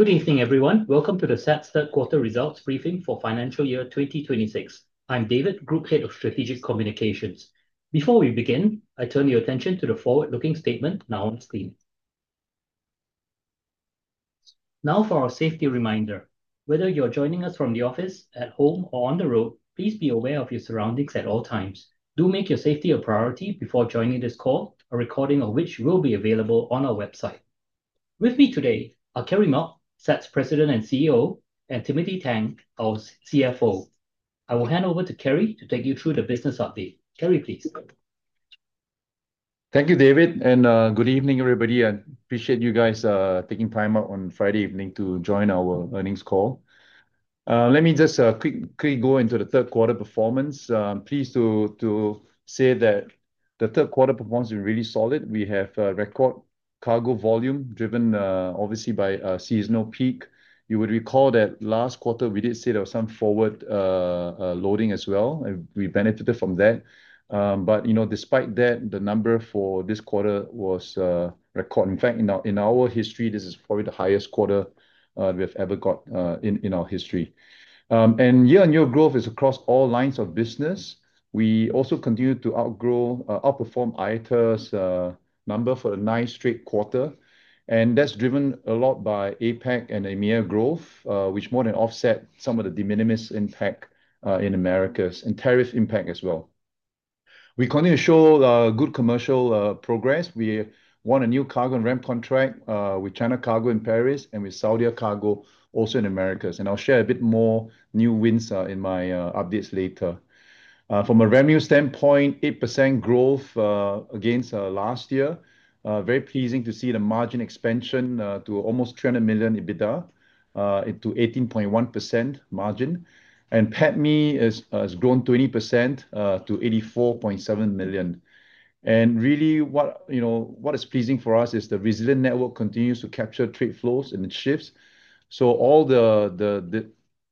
Good evening, everyone. Welcome to the SATS Third Quarter Results Briefing for FY 2026. I'm David, Group Head of Strategic Communications. Before we begin, I turn your attention to the forward-looking statement now on the screen. Now for our safety reminder. Whether you're joining us from the office, at home, or on the road, please be aware of your surroundings at all times. Do make your safety a priority before joining this call, a recording of which will be available on our website. With me today are Kerry Mok, SATS President and CEO, and Timothy Tang, our CFO. I will hand over to Kerry to take you through the business update. Kerry, please. Thank you, David, good evening, everybody. I appreciate you guys taking time out on Friday evening to join our earnings call. Let me just quick go into the third quarter performance. Pleased to say that the third quarter performance was really solid. We have record cargo volume driven, obviously, by a seasonal peak. You would recall that last quarter we did say there was some forward loading as well. We benefited from that. You know, despite that, the number for this quarter was record. In fact, in our history, this is probably the highest quarter we've ever got in our history. Year-on-year growth is across all lines of business. We also continue to outgrow, outperform IATA's number for the ninth straight quarter, that's driven a lot by APAC and EMEA growth, which more than offset some of the de minimis impact in Americas and tariff impact as well. We continue to show good commercial progress. We won a new cargo and ramp contract with China Cargo in Paris and with Saudia Cargo also in Americas, I'll share a bit more new wins in my updates later. From a revenue standpoint, 8% growth against last year. Very pleasing to see the margin expansion to almost 300 million EBITDA, to 18.1% margin. PATMI has grown 20% to 84.7 million. Really, you know, what is pleasing for us is the resilient network continues to capture trade flows and it shifts. All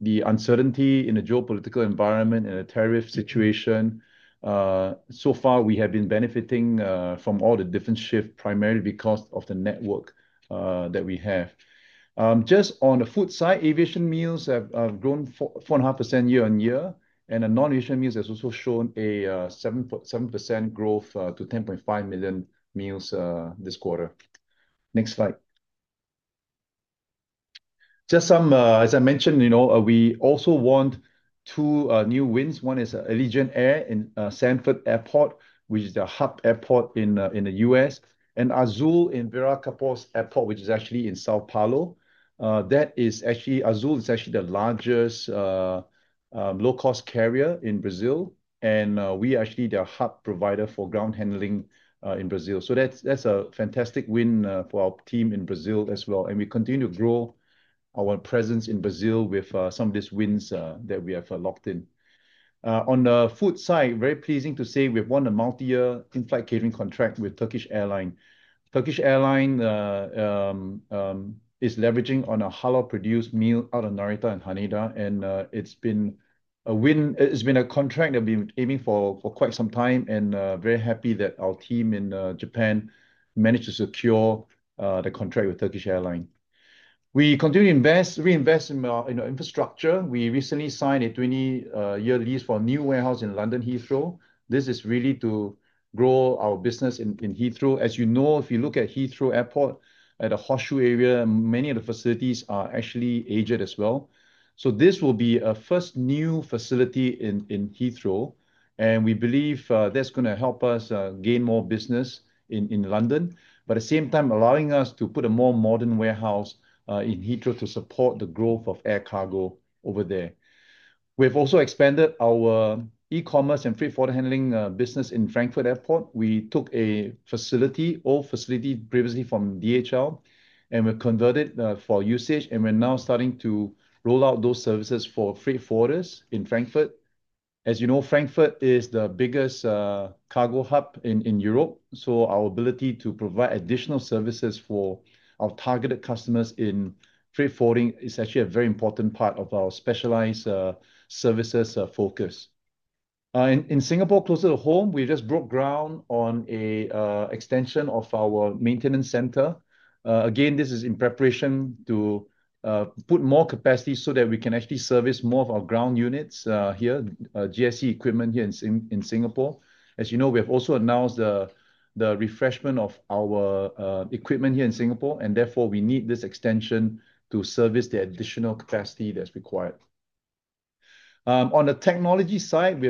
the uncertainty in the geopolitical environment and the tariff situation, so far we have been benefiting from all the different shift primarily because of the network that we have. Just on the food side, aviation meals have grown 4.5% year-on-year, and the non-aviation meals has also shown a 7% growth to 10.5 million meals this quarter. Next slide. Just some, as I mentioned, you know, we also won two new wins. One is Allegiant Air in Sanford Airport, which is the hub airport in the U.S., and Azul in Viracopos Airport, which is actually in São Paulo. Azul is actually the largest low-cost carrier in Brazil, and we are actually their hub provider for ground handling in Brazil. That's a fantastic win for our team in Brazil as well, and we continue to grow our presence in Brazil with some of these wins that we have locked in. On the food side, very pleasing to say we have won a multi-year inflight catering contract with Turkish Airlines. Turkish Airlines is leveraging on a halal-produced meal out of Narita and Haneda, and it's been a win. It's been a contract they've been aiming for quite some time, and very happy that our team in Japan managed to secure the contract with Turkish Airlines. We continue to reinvest in our infrastructure. We recently signed a 20-year lease for a new warehouse in London Heathrow. This is really to grow our business in Heathrow. As you know, if you look at Heathrow Airport at the Horseshoe area, many of the facilities are actually aged as well. This will be a first new facility in Heathrow, and we believe that's gonna help us gain more business in London, but at the same time allowing us to put a more modern warehouse in Heathrow to support the growth of air cargo over there. We have also expanded our e-commerce and freight forward handling business in Frankfurt Airport. We took a facility, old facility previously from DHL, and we converted for usage, and we're now starting to roll out those services for freight forwarders in Frankfurt. You know, Frankfurt is the biggest cargo hub in Europe, our ability to provide additional services for our targeted customers in freight forwarding is actually a very important part of our specialized services focus. In Singapore, closer to home, we just broke ground on a extension of our maintenance center. Again, this is in preparation to put more capacity so that we can actually service more of our ground units here, GSE equipment here in Singapore. You know, we have also announced the refreshment of our equipment here in Singapore, therefore, we need this extension to service the additional capacity that's required. On the technology side,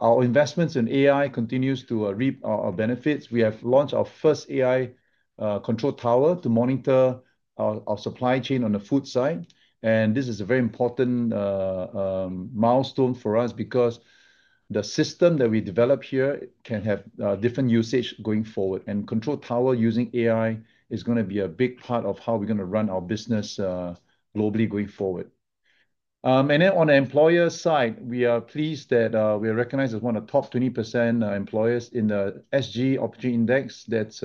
our investments in AI continues to reap benefits. We have launched our first AI control tower to monitor our supply chain on the food side. This is a very important milestone for us because the system that we develop here can have different usage going forward. Control tower using AI is gonna be a big part of how we're gonna run our business globally going forward. On the employer side, we are pleased that we are recognized as one of top 20% employers in the SG Opportunity Index that's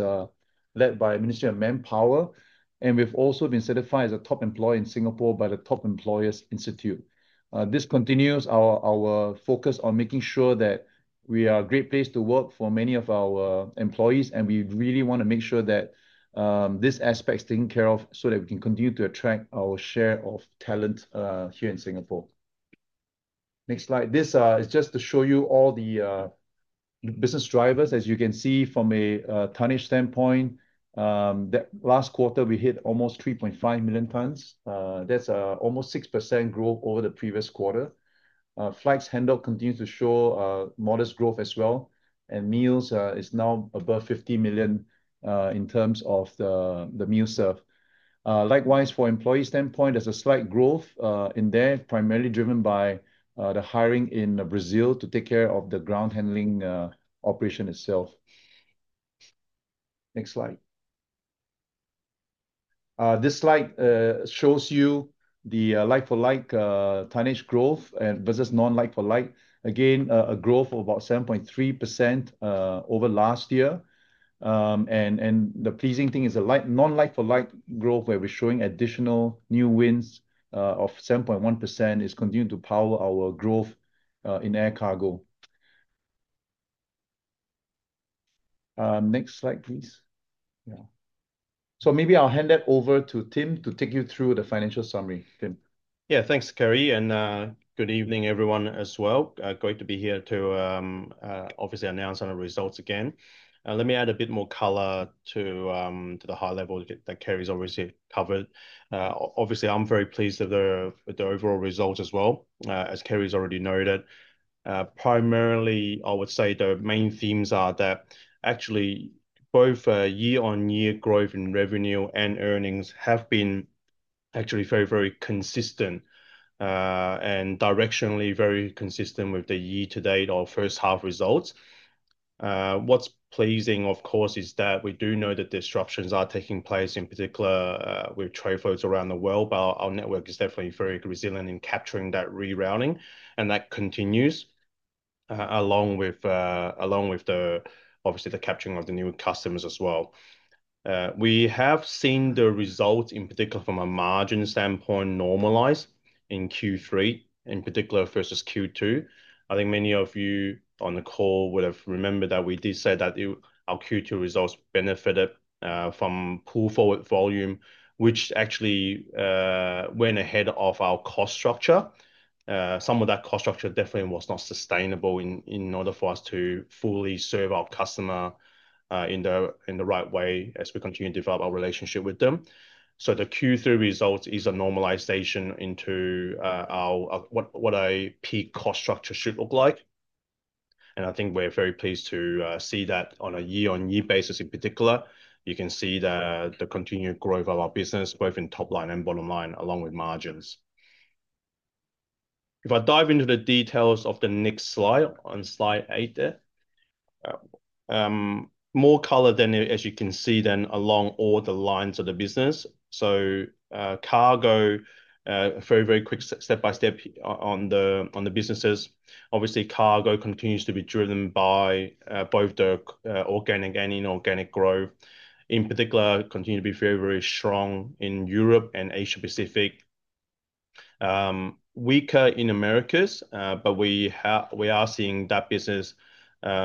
led by Minister of Manpower, and we've also been certified as a top employer in Singapore by the Top Employers Institute. This continues our focus on making sure that we are a great place to work for many of our employees. We really wanna make sure that this aspect is taken care of so that we can continue to attract our share of talent here in Singapore. Next slide. This is just to show you all the business drivers. As you can see from a tonnage standpoint, that last quarter we hit almost 3.5 million tons. That's almost 6% growth over the previous quarter. Flights handled continued to show modest growth as well. Meals is now above 50 million in terms of the meal serve. Likewise for employee standpoint, there's a slight growth in there, primarily driven by the hiring in Brazil to take care of the ground handling operation itself. Next slide. This slide shows you the like-for-like tonnage growth and versus non-like-for-like. Again, a growth of about 7.3% over last year. The pleasing thing is the non-like-for-like growth, where we're showing additional new wins of 7.1%, is continuing to power our growth in air cargo. Next slide, please. Maybe I'll hand it over to Tim to take you through the financial summary. Tim? Yeah. Thanks Kerry, and good evening everyone as well. Great to be here to obviously announce on our results again. Let me add a bit more color to the high level that Kerry's obviously covered. Obviously, I'm very pleased with the overall results as well, as Kerry's already noted. Primarily, I would say the main themes are that actually both year-on-year growth in revenue and earnings have been actually very, very consistent, and directionally very consistent with the year to date our first half results. What's pleasing, of course, is that we do know that disruptions are taking place, in particular, with trade flows around the world, but our network is definitely very resilient in capturing that rerouting, and that continues along with the, obviously the capturing of the new customers as well. We have seen the results, in particular from a margin standpoint, normalize in Q3, in particular versus Q2. I think many of you on the call would have remembered that we did say that our Q2 results benefited from pull forward volume, which actually went ahead of our cost structure. Some of that cost structure definitely was not sustainable in order for us to fully serve our customer in the right way as we continue to develop our relationship with them. The Q3 results is a normalization into our what a peak cost structure should look like. I think we're very pleased to see that on a year-on-year basis in particular. You can see the continued growth of our business, both in top line and bottom line, along with margins. If I dive into the details of the next slide, on slide eight there. More color than as you can see along all the lines of the business. Cargo, very quick step-by-step on the businesses. Obviously, cargo continues to be driven by both the organic and inorganic growth. In particular, continue to be very strong in Europe and Asia Pacific. Weaker in Americas, but we are seeing that business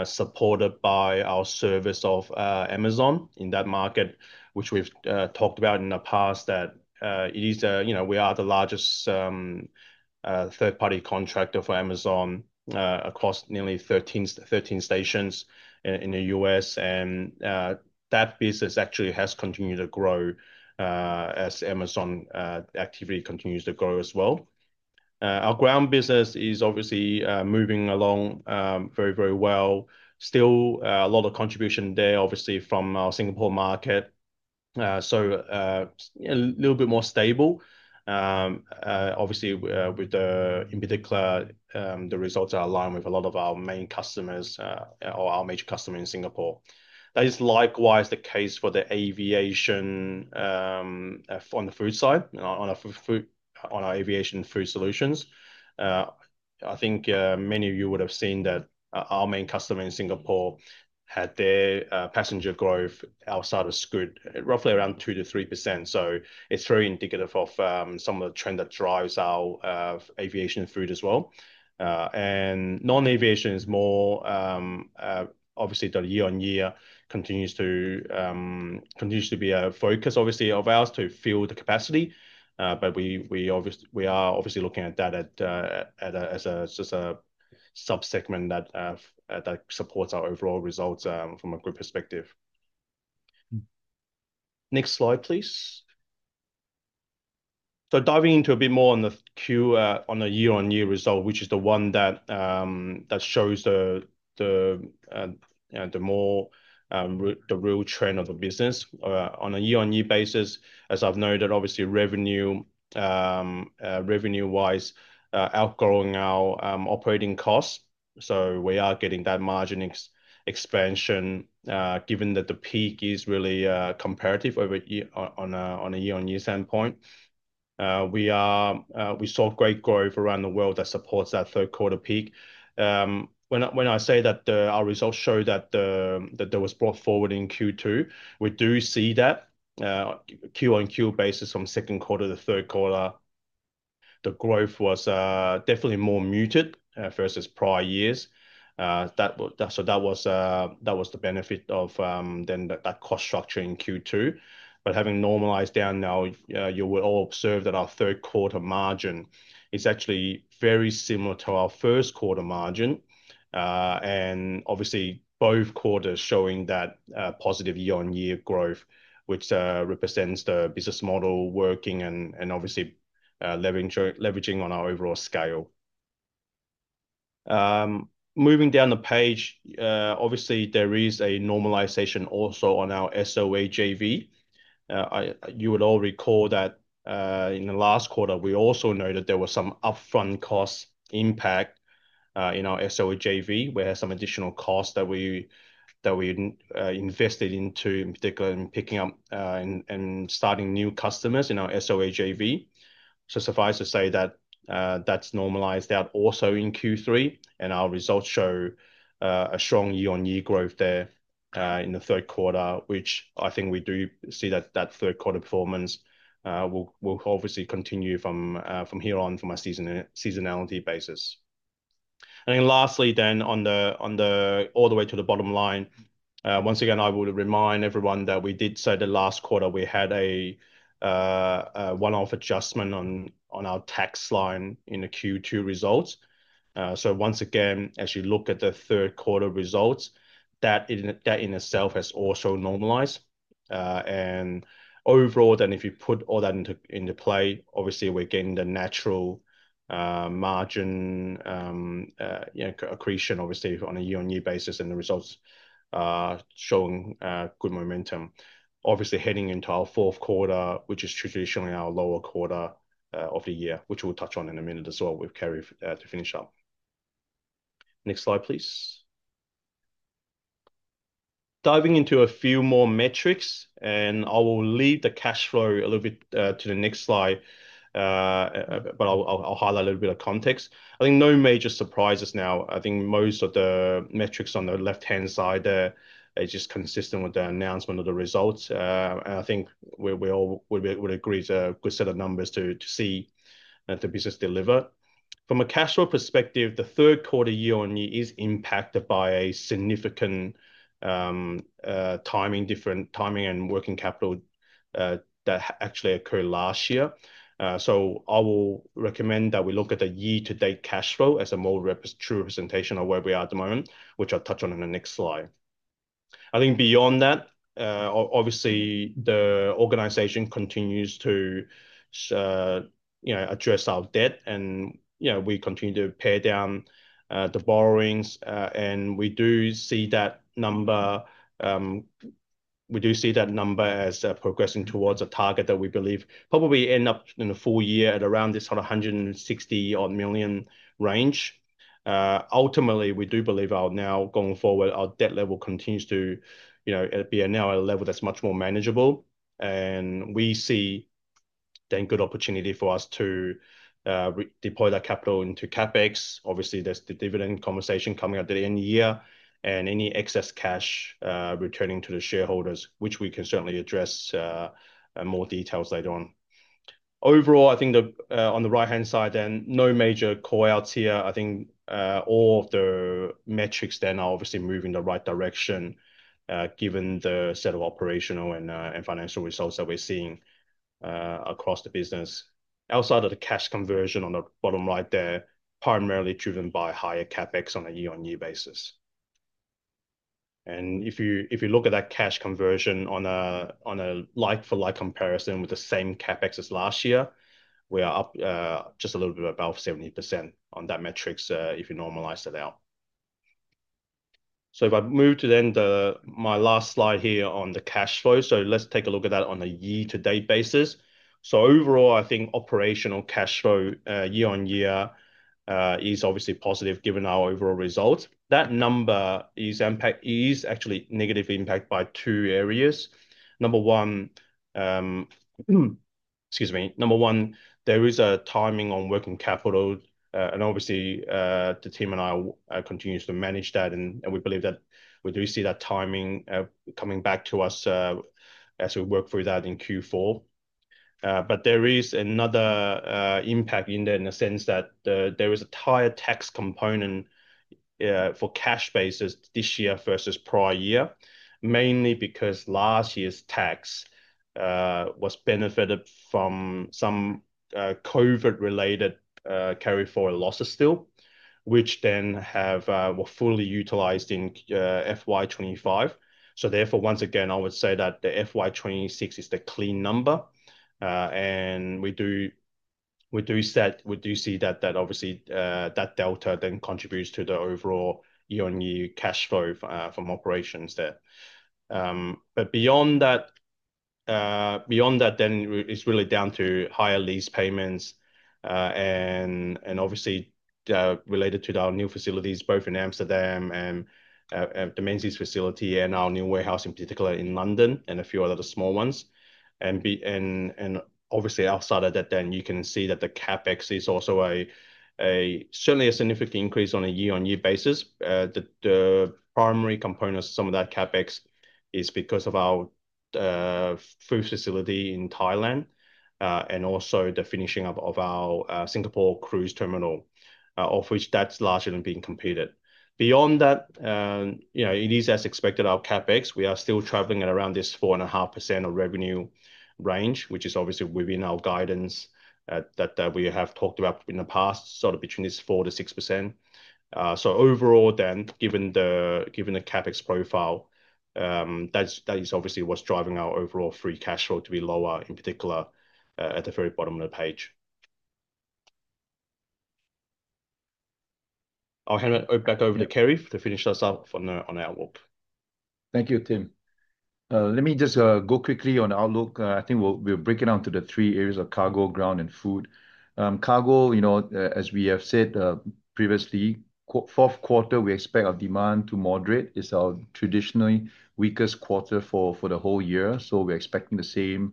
supported by our service of Amazon in that market, which we've talked about in the past that it is a, you know, we are the largest third-party contractor for Amazon across nearly 13 stations in the U.S. That business actually has continued to grow as Amazon activity continues to grow as well. Our ground business is obviously moving along very, very well. Still a lot of contribution there, obviously from our Singapore market. A little bit more stable. Obviously with the, in particular, the results are aligned with a lot of our main customers or our major customer in Singapore. That is likewise the case for the aviation, on the food side, on our food, on our aviation food solutions. I think many of you would have seen that our main customer in Singapore had their passenger growth outside of Scoot, roughly around 2%-3%. It's very indicative of some of the trend that drives our aviation food as well. Non-aviation is more, obviously the year-on-year continues to be a focus obviously of ours to fill the capacity. We are obviously looking at that at a, as a, just a sub-segment that supports our overall results from a group perspective. Next slide, please. Diving into a bit more on the Q, on the year-on-year result, which is the one that shows the, the more, the real trend of the business. On a year-on-year basis, as I've noted, obviously revenue-wise, outgrowing our operating costs. We are getting that margin ex-expansion, given that the peak is really comparative over year on a year-on-year standpoint. We are, we saw great growth around the world that supports that third quarter peak. When I, when I say that the, our results show that the, that there was brought forward in Q2, we do see that Q-on-Q basis from second quarter to third quarter. The growth was definitely more muted versus prior years. That was the benefit of then that cost structure in Q2. Having normalized down now, you will all observe that our third quarter margin is actually very similar to our first quarter margin. Obviously both quarters showing that positive year-on-year growth, which represents the business model working and obviously leveraging on our overall scale. Moving down the page, obviously there is a normalization also on our SOA JV. You would all recall that in the last quarter we also noted there was some upfront cost impact in our SOA JV, where some additional costs that we invested into, in particular in picking up and starting new customers in our SOA JV. Suffice to say that's normalized out also in Q3, and our results show, a strong year-on-year growth there, in the third quarter, which I think we do see that third quarter performance, will obviously continue from here on from a season- seasonality basis. Lastly then on the... all the way to the bottom line, once again, I would remind everyone that we did say the last quarter we had a one-off adjustment on our tax line in the Q2 results. Once again, as you look at the third quarter results, that in itself has also normalized. Overall then, if you put all that into play, obviously we're getting the natural margin, you know, accretion obviously on a year-on-year basis and the results are showing good momentum. Obviously heading into our fourth quarter, which is traditionally our lower quarter of the year, which we'll touch on in a minute as well with Kerry, to finish up. Next slide please. Diving into a few more metrics. I will leave the cash flow a little bit to the next slide. I'll highlight a little bit of context. I think no major surprises now. I think most of the metrics on the left-hand side there are just consistent with the announcement of the results. I think we all would agree it's a good set of numbers to see the business deliver. From a cash flow perspective, the third quarter year-on-year is impacted by a significant timing and working capital that actually occurred last year. I will recommend that we look at the year-to-date cash flow as a more true representation of where we are at the moment, which I'll touch on in the next slide. I think beyond that, obviously the organization continues to you know, address our debt and, you know, we continue to pay down, the borrowings. We do see that number as progressing towards a target that we believe probably end up in the full year at around this sort of 160 odd million range. Ultimately, we do believe our now, going forward, our debt level continues to, you know, be at now a level that's much more manageable. We see then good opportunity for us to re-deploy that capital into CapEx. Obviously, there's the dividend conversation coming up at the end of year, and any excess cash returning to the shareholders, which we can certainly address in more details later on. Overall, I think the on the right-hand side then, no major call-outs here. I think all of the metrics then are obviously moving in the right direction, given the set of operational and financial results that we're seeing across the business. Outside of the cash conversion on the bottom right there, primarily driven by higher CapEx on a year-on-year basis. If you, if you look at that cash conversion on a like-for-like comparison with the same CapEx as last year, we are up just a little bit above 70% on that metrics, if you normalize that out. If I move to then the... my last slide here on the cash flow. Let's take a look at that on a year-to-date basis. Overall I think operational cash flow year-on-year is obviously positive given our overall results. That number is actually negative impact by two areas. Number one, excuse me. Number one, there is a timing on working capital, and obviously, the team and I continue to manage that and we believe that we do see that timing coming back to us as we work through that in Q4. But there is another impact in there in the sense that there is a higher tax component for cash bases this year versus prior year, mainly because last year's tax was benefited from some COVID-related carryforward losses still, which then have were fully utilized in FY 2025. Therefore once again, I would say that the FY 2026 is the clean number. We do see that obviously, that delta then contributes to the overall year-on-year cash flow from operations there. Beyond that, beyond that then it's really down to higher lease payments, and obviously, related to our new facilities both in Amsterdam and, at the Menzies facility and our new warehouse in particular in London and a few other small ones. Obviously outside of that then you can see that the CapEx is also certainly a significant increase on a year-on-year basis. The primary components of some of that CapEx is because of our food facility in Thailand, and also the finishing up of our Singapore cruise terminal, of which that's largely been completed. Beyond that, you know, it is as expected our CapEx. We are still traveling at around this 4.5% of revenue range, which is obviously within our guidance that we have talked about in the past, sort of between this 4%-6%. Overall then, given the given the CapEx profile, that is obviously what's driving our overall free cash flow to be lower, in particular, at the very bottom of the page. I'll hand it back over to Kerry to finish us up on the on the outlook. Thank you, Tim. Let me just go quickly on outlook. I think we'll break it down to the three areas of cargo, ground and food. Cargo, you know, as we have said previously, fourth quarter we expect our demand to moderate. It's our traditionally weakest quarter for the whole year, so we're expecting the same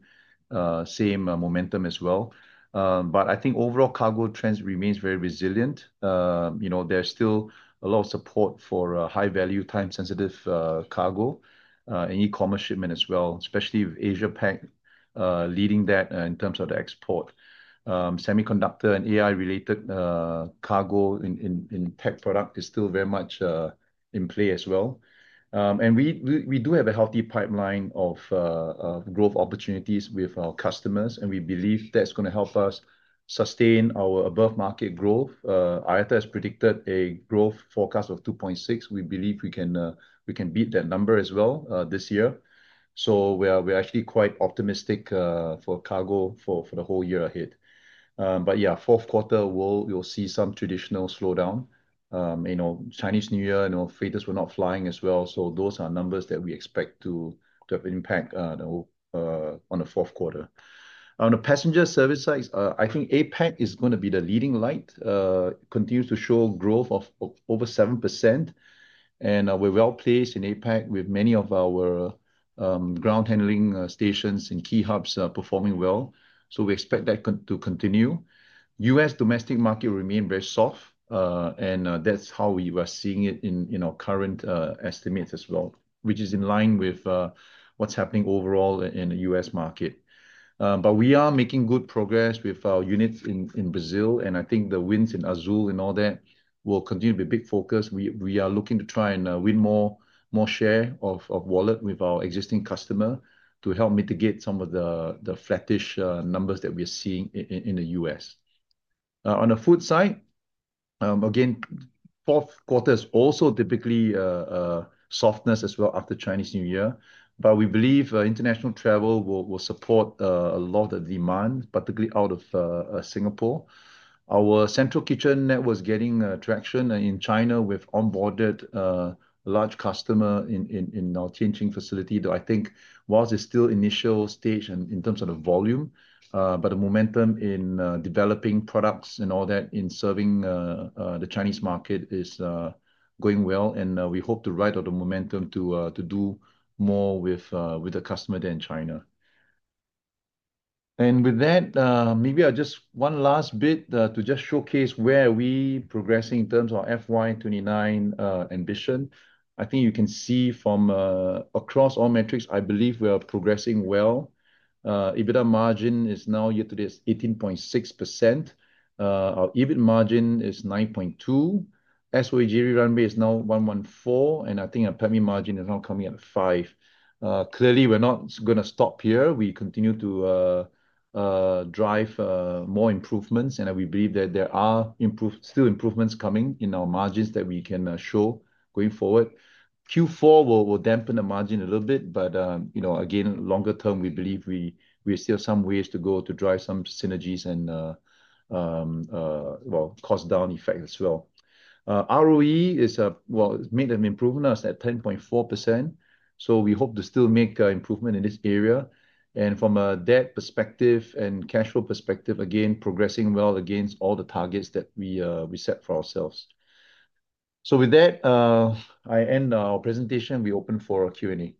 momentum as well. I think overall cargo trends remains very resilient. You know, there's still a lot of support for high value time sensitive cargo and e-commerce shipment as well, especially with Asia Pac leading that in terms of the export. Semiconductor and AI related cargo in tech product is still very much in play as well. We do have a healthy pipeline of growth opportunities with our customers, and we believe that's gonna help us sustain our above market growth. IATA has predicted a growth forecast of 2.6%. We believe we can beat that number as well this year. We are, we're actually quite optimistic for cargo for the whole year ahead. Yeah, fourth quarter we'll see some traditional slowdown. You know, Chinese New Year, you know, freighters were not flying as well, so those are numbers that we expect to have impact on the fourth quarter. On the passenger service side, I think APAC is gonna be the leading light. Continues to show growth of over 7% and we're well placed in APAC with many of our ground handling stations and key hubs performing well. We expect that to continue. U.S. domestic market remain very soft and that's how we are seeing it in our current estimates as well, which is in line with what's happening overall in the U.S. market. We are making good progress with our units in Brazil, and I think the wins in Azul and all that will continue to be a big focus. We are looking to try and win more share of wallet with our existing customer to help mitigate some of the flattish numbers that we're seeing in the U.S. On the food side, again, fourth quarter is also typically softness as well after Chinese New Year. We believe international travel will support a lot of demand, particularly out of Singapore. Our central kitchen net was getting traction. In China, we've onboarded a large customer in our Tianjin facility that I think whilst it's still initial stage in terms of the volume, but the momentum in developing products and all that in serving the Chinese market is going well and we hope to ride on the momentum to do more with the customer there in China. With that, maybe I just one last bit to just showcase where are we progressing in terms of FY 2029 ambition. I think you can see from across all metrics I believe we are progressing well. EBITDA margin is now year to date 18.6%. Our EBIT margin is 9.2%. SOG run rate is now 114, and I think our PMI margin is now coming at 5%. Clearly we're not gonna stop here. We continue to drive more improvements, and we believe that there are still improvements coming in our margins that we can show going forward. Q4 will dampen the margin a little bit but, you know, again, longer term, we believe we are still some ways to go to drive some synergies and well, cost down effect as well. ROE is well, made an improvement. Now it's at 10.4%, we hope to still make improvement in this area. From a debt perspective and cash flow perspective, again, progressing well against all the targets that we set for ourselves. With that, I end our presentation. We open for Q&A.